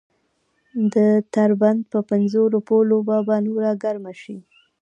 د تر بنده په پنځو روپو لوبه به نوره ګرمه شي.